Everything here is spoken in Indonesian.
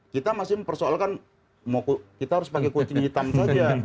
kita masih mempersoalkan kita harus pakai kucing hitam saja